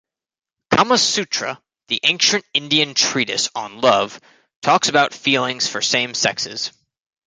Kamasutra, the ancient Indian treatise on love talks about feelings for same sexes.